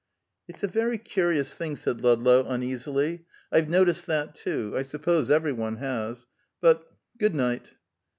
"It's a very curious thing," said Ludlow, uneasily. "I've noticed that, too; I suppose every one has. But good night."